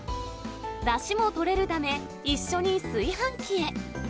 だしもとれるため、一緒に炊飯器へ。